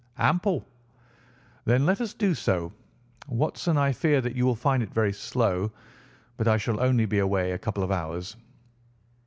"Ample." "Then let us do so. Watson, I fear that you will find it very slow, but I shall only be away a couple of hours."